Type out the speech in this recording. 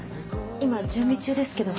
今準備中ですけど。